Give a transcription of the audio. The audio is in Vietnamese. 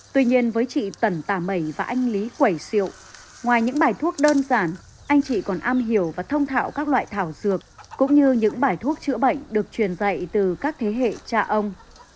tuy nhiên với chị tần tà mẩy và anh lý quẩy siệu ngoài những bài thuốc đơn giản anh chị còn am hiểu và thông thạo các loại thảo dược cũng như những bài thuốc chữa bệnh được truyền dạy từ các thế hệ cha ông